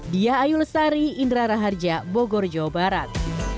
dia ayul sari indra raharja bogor jawa barat